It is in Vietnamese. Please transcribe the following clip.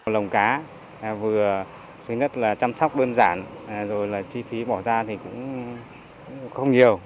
lồng cá vừa thứ nhất là chăm sóc đơn giản rồi là chi phí bỏ ra thì cũng không nhiều